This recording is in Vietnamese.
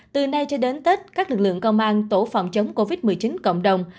từ nay cho đến tết các lực lượng công an tổ phòng chống covid một mươi chín cộng đồng